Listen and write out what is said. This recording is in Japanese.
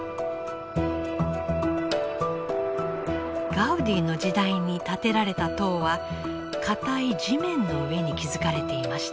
ガウディの時代に建てられた塔は固い地面の上に築かれていました。